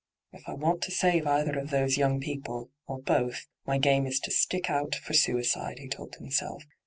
' If I want to save either of those young people, or both, my game is to stick out for suicide,' he told himself.